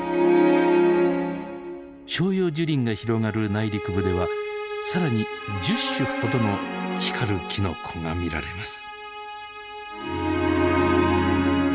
照葉樹林が広がる内陸部ではさらに１０種ほどの光るきのこが見られます。